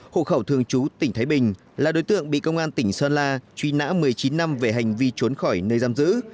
hộ khẩu thường trú tỉnh thái bình là đối tượng bị công an tỉnh sơn la truy nã một mươi chín năm về hành vi trốn khỏi nơi giam giữ